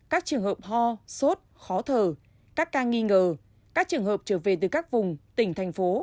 các trường hợp ho sốt khó thở các ca nghi ngờ các trường hợp trở về từ các vùng tỉnh thành phố